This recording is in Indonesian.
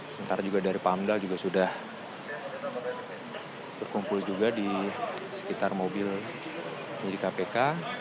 sementara juga dari pamdal juga sudah berkumpul juga di sekitar mobil milik kpk